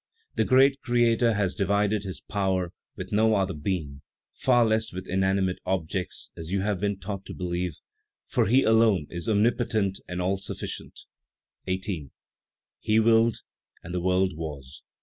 "The great Creator has divided His power with no other being; far less with inanimate objects, as you have been taught to believe, for He alone is omnipotent and all sufficient. 18. "He willed, and the world was.